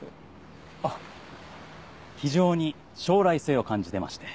あっ非常に将来性を感じてまして。